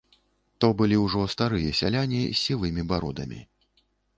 То былі ўжо старыя сяляне, з сівымі бародамі.